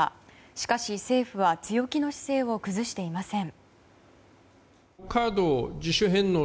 しかし、政府は強気の姿勢を崩していません。